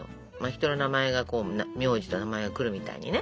人の名前が苗字と名前が来るみたいにね。